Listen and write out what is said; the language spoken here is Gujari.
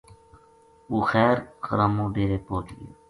وہ خیر خرامو ڈیرے پوہچ گیو